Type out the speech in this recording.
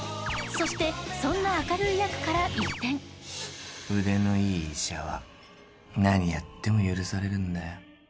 そしてそんな明るい役から一転腕のいい医者は何やっても許されるんだよ